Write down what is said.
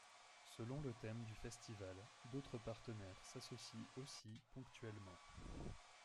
Selon le thème du Festival, d'autres partenaires s'associent aussi ponctuellement.